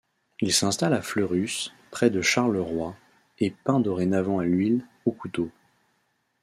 Il s'installe à Fleurus, près de Charleroi, et peint dorénavant à l'huile, au couteau.